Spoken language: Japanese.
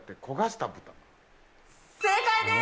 正解です。